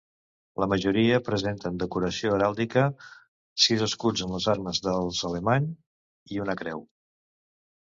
La majoria presenten decoració heràldica: sis escuts amb les armes dels Alemany, i una creu.